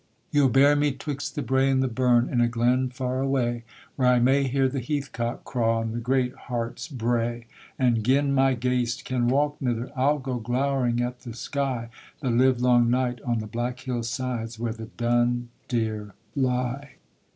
Ye'll bury me 'twixt the brae and the burn, in a glen far away, Where I may hear the heathcock craw, and the great harts bray; And gin my ghaist can walk, mither, I'll go glowering at the sky, The livelong night on the black hill sides where the dun deer lie.